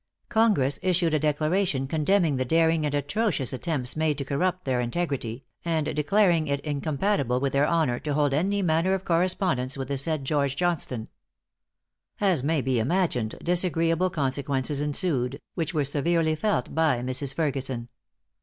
Congress issued a declaration condemning the daring and atrocious attempts made to corrupt their integrity, and declaring it incompatible with their honor to hold any manner of correspondence with the said George Johnstone. As may be imagined, disagreeable consequences ensued, which were severely felt by Mrs. Ferguson.